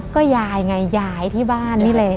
ก็ยายไงยายที่บ้านนี่เลย